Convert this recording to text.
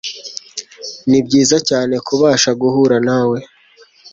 Nibyiza cyane kubasha guhura nawe.